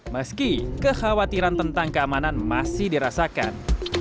meski kekhawatiran tentang keamanan masih dirasakan